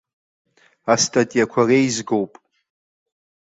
Астатиақәа реизгоуп.